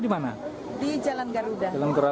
di sini keluarga banyak